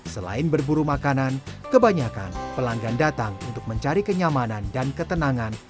selain berburu makanan kebanyakan pelanggan datang untuk mencari kenyamanan dan ketenangan